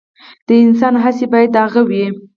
د انسان هڅې باید د هغه وي.